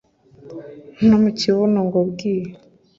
No mu kibuno ngo bwi